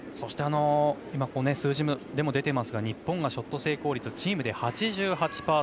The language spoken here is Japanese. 数字でも出ていますが日本のショット成功率はチームで８８％。